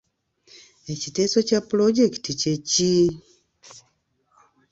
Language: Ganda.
Ekiteeso kya pulojekiti kye ki?